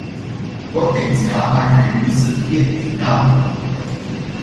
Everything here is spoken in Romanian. Protecția ar trebui să fie egală.